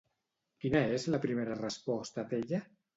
Quina és la primera resposta d'ella?